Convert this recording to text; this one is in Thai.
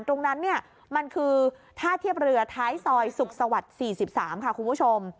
ตรงนั้นเนี่ยมันคือท่าเทียบเรือท้ายซอยสุขสวรรค์๔๓ค่ะคุณผู้ชม